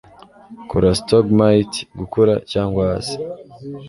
Kora Stalagmite Gukura Cyangwa Hasi